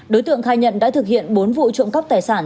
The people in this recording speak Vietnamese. đối tượng khai nhận đã thực hiện bốn vụ trộm cắp tài sản